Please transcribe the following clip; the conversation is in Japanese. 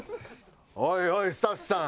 おいおいスタッフさん